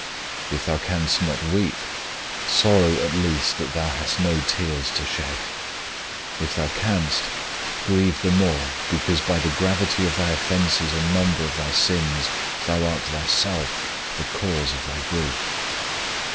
If thou canst not weep, sorrow at least that thou hast no tears to shed ; if thou canst, grieve the more because by the gravity of thy offences and number of thy sins thou art thyself the cause of thy grief.